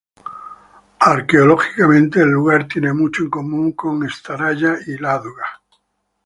Arqueológicamente, el lugar tiene mucho en común con Stáraya Ládoga.